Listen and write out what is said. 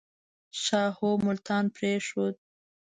شاهو ملتان پرېښود.